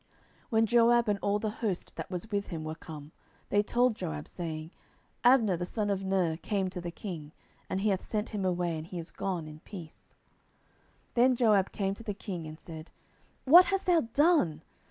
10:003:023 When Joab and all the host that was with him were come, they told Joab, saying, Abner the son of Ner came to the king, and he hath sent him away, and he is gone in peace. 10:003:024 Then Joab came to the king, and said, What hast thou done?